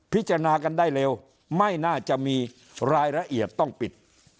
พิจารณากันได้เร็วไม่น่าจะมีรายละเอียดต้องปิด